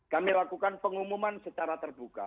kami lakukan pengumuman secara terbuka